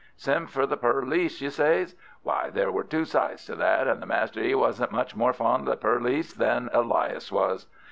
Send for the perlice, you says! Well, there are two sides to that, and the master 'e wasn't much more fond of the perlice than Elias was.